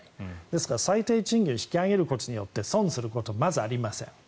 ですから最低賃金を引き上げることによって損することはまずありません。